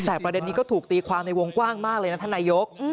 แต่ประเด็นนี้ก็ถูกตีความในวงกว้างมากเลยนะท่านนายก